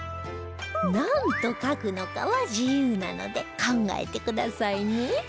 なんと書くのかは自由なので考えてくださいね